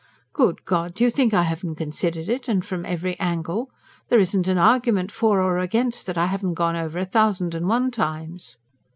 "Good God! Do you think I haven't considered it? and from every angle? There isn't an argument for or against, that I haven't gone over a thousand and one times."